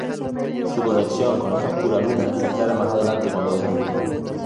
Su conexión con esta oscura luna se aclara más adelante cuando deja el grupo.